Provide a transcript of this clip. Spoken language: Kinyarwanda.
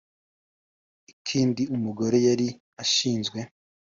Ikindi umugore yari ashinzwe